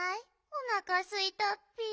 おなかすいたッピ。